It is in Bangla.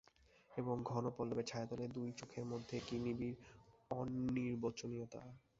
এবং ঘন পল্লবের ছায়াতলে দুই চক্ষুর মধ্যে কী নিবিড় অনির্বচনীয়তা!